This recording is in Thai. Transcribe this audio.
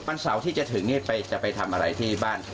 เสาร์ที่จะถึงนี้จะไปทำอะไรที่บ้าน